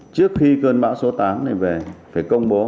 trước khi cơn bão số tám này về phải công bố